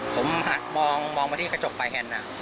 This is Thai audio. ผมหัดมองมองมาที่กระจกปลายแฮนด์น่ะ